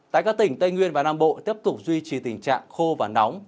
tại các tỉnh tây nguyên và nam bộ tiếp tục duy trì tình trạng khô và nóng